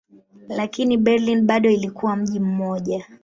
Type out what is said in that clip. Lakini Berlin bado ilikuwa mji mmoja.